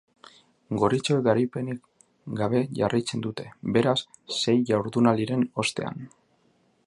Gorritxoek garaipenik gabe jarraitzen dute, beraz, sei jardunaldiren ostean.